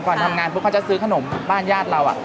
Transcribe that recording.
ทำงานปุ๊บเขาจะซื้อขนมบ้านญาติเรา